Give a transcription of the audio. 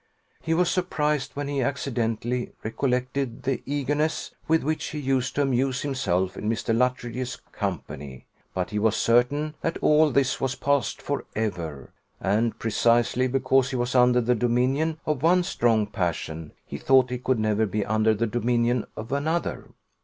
He was surprised when he accidentally recollected the eagerness with which he used to amuse himself in Mr. Luttridge's company; but he was certain that all this was passed for ever; and precisely because he was under the dominion of one strong passion, he thought he could never be under the dominion of another.